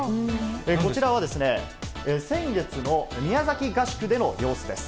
こちらは、先月の宮崎合宿での様子です。